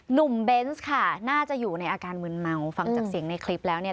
เบนส์ค่ะน่าจะอยู่ในอาการมืนเมาฟังจากเสียงในคลิปแล้วเนี่ย